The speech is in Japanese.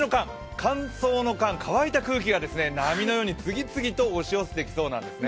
乾燥の「乾」乾いた空気が波のように次々と押し寄せてきそうなんですね。